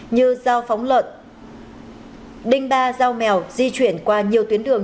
như dao phóng lợn đinh ba dao mèo di chuyển qua nhiều tuyến đường